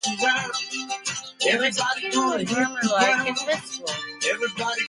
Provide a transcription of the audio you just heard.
He was king of Romerike and Vestfold.